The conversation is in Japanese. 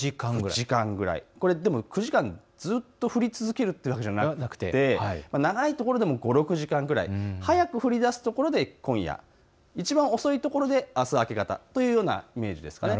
９時間ぐらい、９時間ずっと降り続けるというわけではなくて長いところでも５、６時間くらい、早く降りだすところで今夜いちばん遅いところであす明け方というようなイメージです。